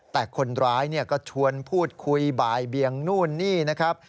แต่คนร้ายก็ชวนพูดคุยบ่ายเบียงนู่นนี่นะครับ